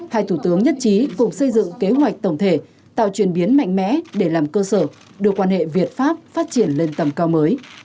hai thủ tướng nhất trí cùng xây dựng kế hoạch tổng thể tạo truyền biến mạnh mẽ để làm cơ sở đưa quan hệ việt pháp phát triển lên tầm cao mới